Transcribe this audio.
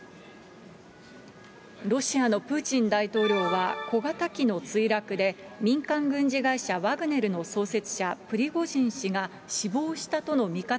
ロシアのプーチン大統領は、小型機の墜落で、民間軍事会社ワグネルの創設者、プリゴジン氏が死亡したとの見方